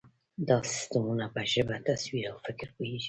دا سیسټمونه په ژبه، تصویر، او فکر پوهېږي.